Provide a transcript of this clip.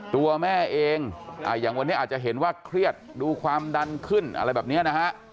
ตัวแม่เองอย่างวันนี้อาจจะเห็นว่าเครียดดูความดันขึ้นอะไรแบบนี้นะฮะ